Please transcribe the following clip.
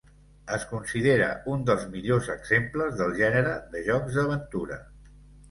Es considera un dels millors exemples del gènere de jocs d’aventura.